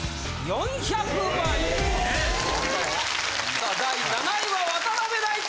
さあ第７位は渡辺大知。